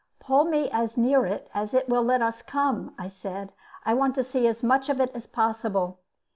"Pull me as near it as it will let us come," I said. "I want to see as much of it as possible."